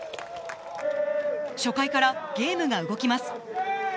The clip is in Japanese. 初回からゲームが動きます